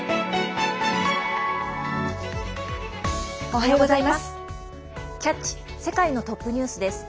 おはようございます。